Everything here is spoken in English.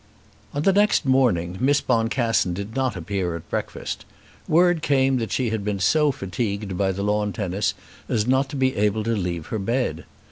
On the next morning Miss Boncassen did not appear at breakfast. Word came that she had been so fatigued by the lawn tennis as not to be able to leave her bed.